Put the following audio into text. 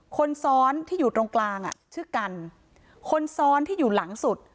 คนซ้อนที่อยู่ตรงกลางอ่ะชื่อกันคนซ้อนที่อยู่หลังสุด